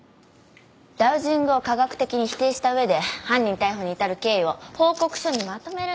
ダウジングを科学的に否定した上で犯人逮捕に至る経緯を報告書にまとめるんですから。